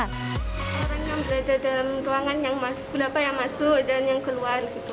orang yang berada dalam ruangan yang mudah payah masuk dan yang keluar